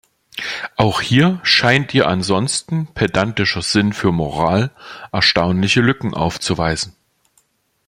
Auch hier scheint ihr ansonsten pedantischer Sinn für Moral erstaunliche Lücken aufzuweisen.